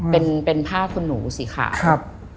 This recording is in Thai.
เป็นผ้าคุณหนูสีขา